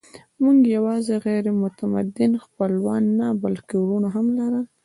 موږ یواځې غیر متمدن خپلوان نه، بلکې وروڼه هم لرل.